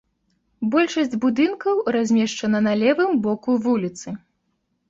Большасць будынкаў размешчана на левым боку вуліцы.